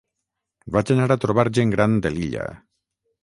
vaig anar a trobar gent gran de l'illa